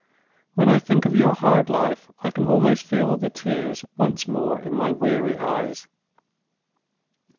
When I think of your hard life, I can almost feel the tears once more in my weary eyes.